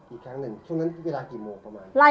อีกครั้งหนึ่งช่วงนั้นเวลากี่โมงประมาณ